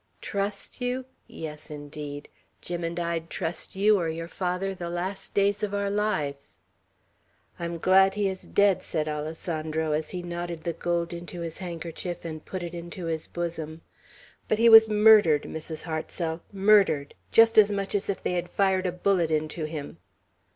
Trust you? Yes, indeed. Jim and I'd trust you, or your father, the last day of our lives." "I'm glad he is dead," said Alessandro, as he knotted the gold into his handkerchief and put it into his bosom. "But he was murdered, Mrs. Hartsel, murdered, just as much as if they had fired a bullet into him."